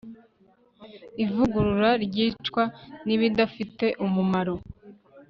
Ivugurura Ryicwa nIbidafite Umumaro